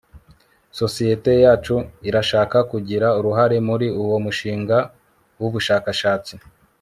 sosiyete yacu irashaka kugira uruhare muri uwo mushinga wubushakashatsi